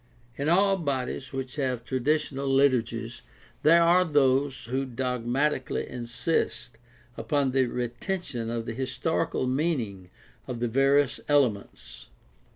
In all bodies which have traditional liturgies there are those who dogmati cally insist upon the retention of the historical meaning of the various elements.